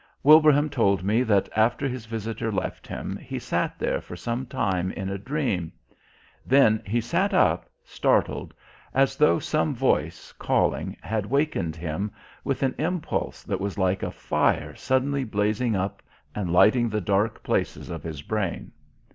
Wilbraham told me that after his Visitor left him he sat there for some time in a dream. Then he sat up, startled, as though some voice, calling, had wakened him, with an impulse that was like a fire suddenly blazing up and lighting the dark places of his brain.